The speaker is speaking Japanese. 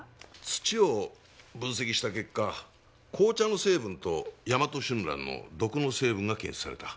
土を分析した結果紅茶の成分とヤマトシュンランの毒の成分が検出された。